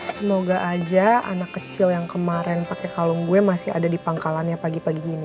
semoga aja anak kecil yang kemarin pakai kalung gue masih ada di pangkalannya pagi pagi gini